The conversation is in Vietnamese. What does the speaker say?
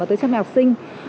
và tới trăm học sinh